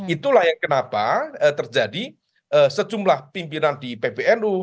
itulah yang kenapa terjadi sejumlah pimpinan di pbnu